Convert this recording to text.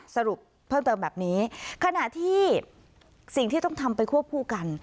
สรุปเพิ่มเติมแบบนี้ขณะที่สิ่งที่ต้องทำไปควบคู่กัน